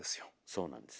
そうなんです。